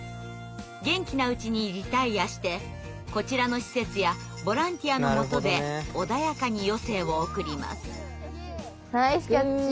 元気なうちにリタイアしてこちらの施設やボランティアのもとで穏やかに余生を送ります。